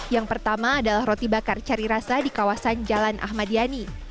yang pertama adalah roti bakar cari rasa di kawasan jalan ahmad yani